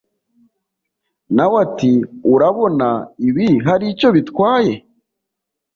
nawe ati urabona ibi haricyo bitwaye